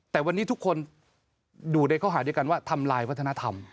แต่วันนี้ทุกคนดูในข้อหาเดียวกันว่าทำลายวัฒนธรรม